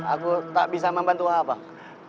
aku tak bisa membantu abang